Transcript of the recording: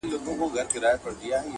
نه هغه تللې زمانه سته زه به چیري ځمه-